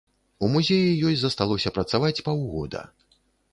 У музеі ёй засталося працаваць паўгода.